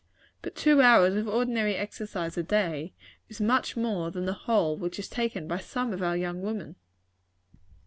But two hours of ordinary exercise a day, is much more than the whole which is taken by some of our young women.